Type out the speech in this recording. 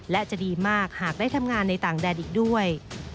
และจะดีมากหากได้ทำงานในต่างแดนอีกด้วย